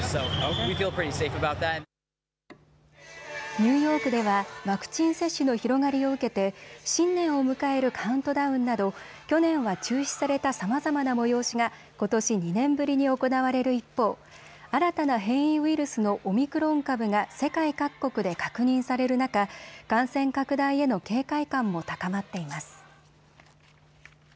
ニューヨークではワクチン接種の広がりを受けて新年を迎えるカウントダウンなど去年は中止されたさまざまな催しがことし２年ぶりに行われる一方、新たな変異ウイルスのオミクロン株が世界各国で確認される中、感染拡大への警戒感も高まっています。